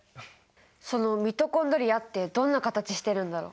そのミトコンドリアってどんな形してるんだろう？